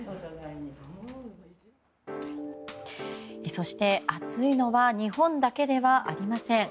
そして、暑いのは日本だけではありません。